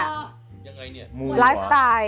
ยังไงเนี่ย